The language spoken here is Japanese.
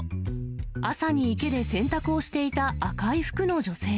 朝に池で洗濯をしていた赤い服の女性。